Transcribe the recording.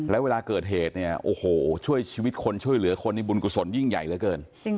แล้วเวลาเกิดเหตุเนี่ยโอ้โหช่วยชีวิตคนช่วยเหลือคนนี้บุญกุศลยิ่งใหญ่เหลือเกิน